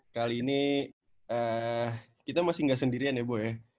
kali ini kita masih nggak sendirian ya bu ya